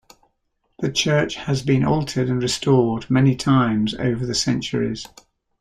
The church has been altered and restored many times over the centuries.